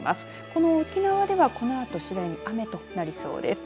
この沖縄では、このあと次第に雨となりそうです。